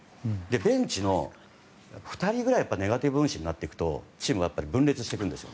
ベンチの２人ぐらいはネガティブ分子になってくるとチームが分裂してくんです。